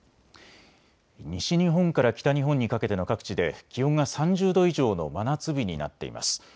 西日本から北日本にかけての各地で気温が３０度以上の真夏日になっています。